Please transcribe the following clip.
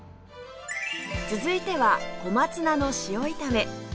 続いては小松菜の塩炒め